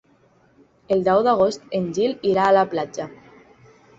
El deu d'agost en Gil irà a la platja.